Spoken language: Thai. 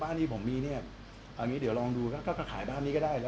บ้านที่ผมมีเนี่ยเดี๋ยวลองดูค่ะก็ขายบ้านนี้ก็ได้